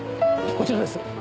こちらです。